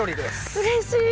うれしい。